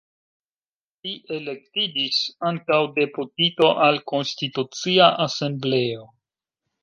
Li elektiĝis ankaŭ deputito al Konstitucia Asembleo.